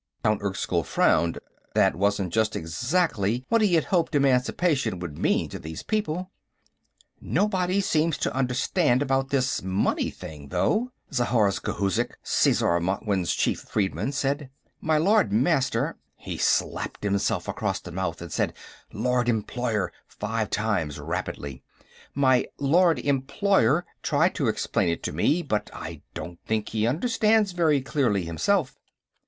Count Erskyll frowned. That wasn't just exactly what he had hoped Emancipation would mean to these people. "Nobody seems to understand about this money thing, though," Zhorzh Khouzhik, Sesar Martwynn's chief freedman said. "My Lord Master " He slapped himself across the mouth and said, "Lord Employer!" five times, rapidly. "My Lord Employer tried to explain it to me, but I don't think he understands very clearly, himself."